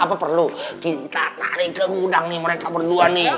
apa perlu kita tarik ke gudang nih mereka berdua nih